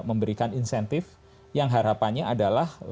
memberikan insentif yang harapannya adalah